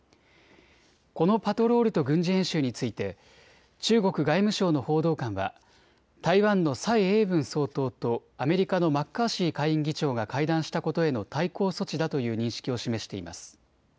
このパトロールと軍事演習について中国外務省の報道官は台湾の蔡英文総統とアメリカのマッカーシー下院議長が会談したことへの対抗措置だという認識を示しています。